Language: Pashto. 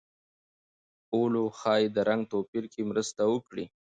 اولو ښايي د رنګ توپیر کې مرسته وکړي.